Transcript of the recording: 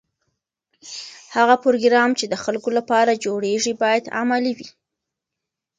هغه پروګرام چې د خلکو لپاره جوړیږي باید عملي وي.